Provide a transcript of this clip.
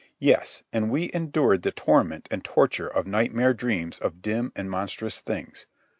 Yes; and we endured the torment and torture of nightmare fears of dim and monstrous things.